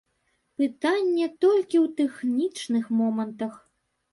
Пытанне толькі ў тэхнічных момантах.